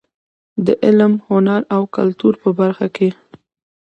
د علم، هنر او کلتور په برخه کې.